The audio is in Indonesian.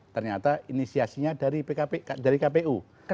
ternyata inisiasinya dari kpu